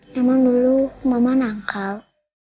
memang dulu mama nakal